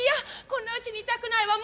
こんなうちにいたくないわ。